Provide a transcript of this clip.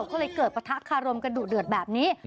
ก็เลยเกิดปะทะคารมกันดุเดือดแบบนี้